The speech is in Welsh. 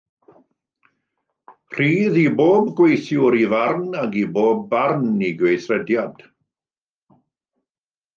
Rhydd i bob gweithiwr ei farn, ac i bob barn ei gweithrediad.